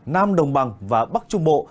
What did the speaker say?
nam đồng bằng và bắc trung bộ